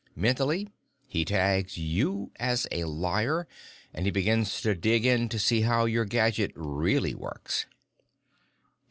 Mentally, he tags you as a liar, and he begins to try to dig in to see how your gadget really works."